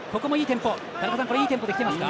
田中さん、いいテンポできていますか。